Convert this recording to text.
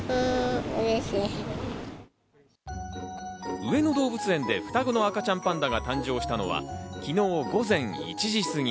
上野動物園で双子の赤ちゃんパンダが誕生したのは、昨日、午前１時すぎ。